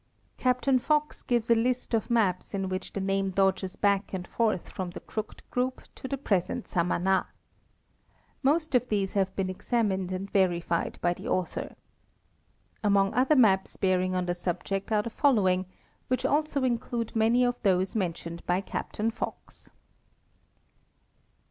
Captain Fox gives a list of maps in which the name dodges back and forth from the Crooked group to the present Samana. Most of these have been examined and verified by the author. Among other maps bearing on the subject are the following, which also include many of those mentioned by Captain Fox.